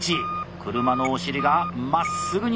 車のお尻がまっすぐになってきました。